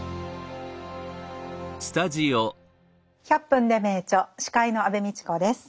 「１００分ｄｅ名著」司会の安部みちこです。